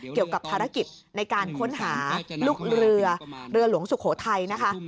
เกี่ยวกับภารกิจในการค้นหาลูกเรือเรือหลวงสุโขทัยนะคะ